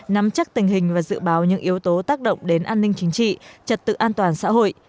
nắm chắc tình hình và dự báo những yếu tố tác động đến an ninh chính trị trật tự an toàn xã hội